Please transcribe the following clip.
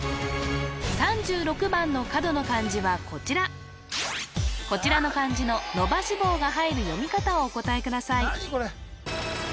３６番の角の漢字はこちらこちらの漢字の伸ばし棒が入る読み方をお答えください